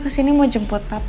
kesini mau jemput papa